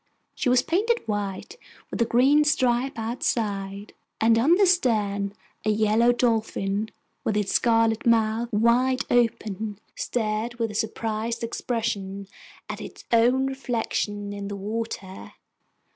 She was painted white with a green stripe outside, and on the stern a yellow dolphin, with its scarlet mouth wide open, stared with a surprised expression at its own reflection in the water.